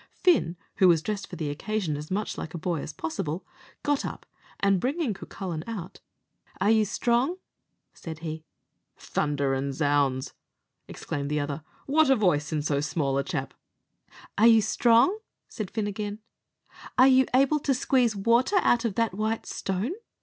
Fin, who was dressed for the occasion as much like a boy as possible, got up, and bringing Cucullin out, "Are you strong?" said he. "Thunder an' ounds!" exclaimed the other, "what a voice in so small a chap!" "Are you strong?" said Fin again; "are you able to squeeze water out of that white stone?"